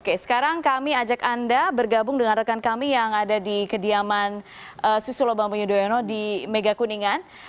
oke sekarang kami ajak anda bergabung dengan rekan kami yang ada di kediaman susilo bambang yudhoyono di megakuningan